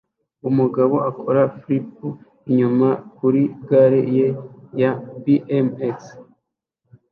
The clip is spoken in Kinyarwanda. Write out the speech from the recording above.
Umugabo akora flip inyuma kuri gare ye ya bmx